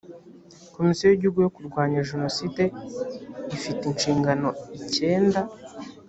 komisiyo y igihugu yo kurwanya jenoside ifite inshingano icyenda